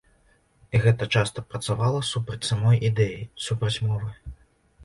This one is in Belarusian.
І гэта часта працавала супраць самой ідэі, супраць мовы.